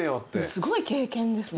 すごい経験。